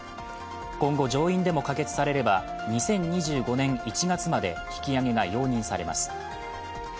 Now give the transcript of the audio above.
今後、上院でも可決されれば２０２５年１月まで引き上げが容認されます。